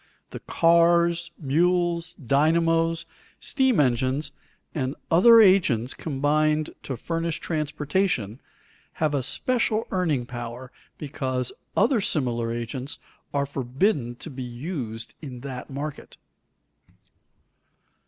The cars, mules, dynamos, steam engines, and other agents combined to furnish transportation, have a special earning power because other similar agents are forbidden to be used in that market.